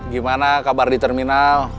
gimana kabar di terminal